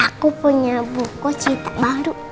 aku punya buku baru